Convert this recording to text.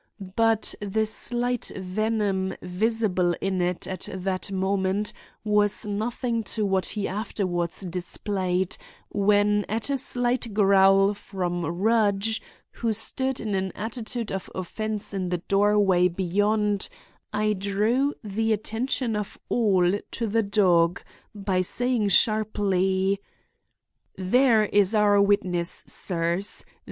But the slight venom visible in it at that moment was nothing to what he afterwards displayed when at a slight growl from Rudge, who stood in an attitude of offense in the doorway beyond, I drew the attention of all to the dog by saying sharply: "There is our witness, sirs.